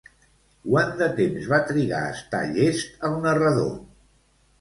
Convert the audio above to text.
Quant de temps va trigar a estar llest el narrador?